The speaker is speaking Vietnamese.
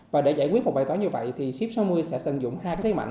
và để giải quyết một bài toán như vậy thì sip sáu mươi sẽ sử dụng hai cái thế mạnh